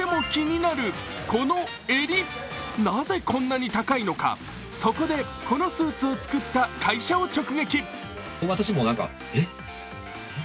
なぜこんなに高いのか、そこでこのスーツを作った会社を直撃。